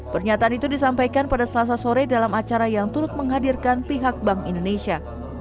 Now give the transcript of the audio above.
pernyataan itu disampaikan pada selasa sore dalam acara yang turut menghadirkan pihak bank indonesia